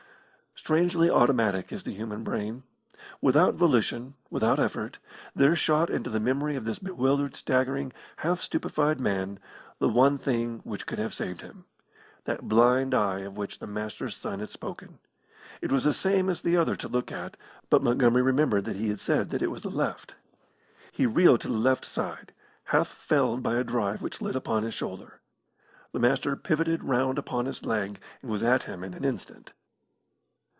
Strangely automatic is the human brain. Without volition, without effort, there shot into the memory of this bewildered, staggering, half stupefied man the one thing which could have saved him that blind eye of which the Master's son had spoken. It was the same as the other to look at, but Montgomery remembered that he had said that it was the left. He reeled to the left side, half felled by a drive which lit upon his shoulder. The Master pivoted round upon his leg and was at him in an instant.